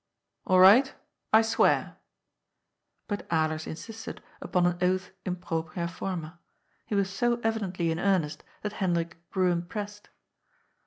" All right. I swear." But Alers insisted upon an oath in propriA form&. He was so evidently in earnest that Hendrik grew impressed.